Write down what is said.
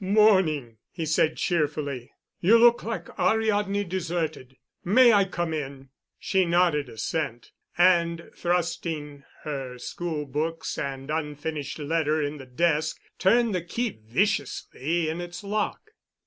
"Morning!" he said, cheerfully. "You look like Ariadne deserted. May I come in?" She nodded assent, and, thrusting her school books and unfinished letter in the desk, turned the key viciously in its lock.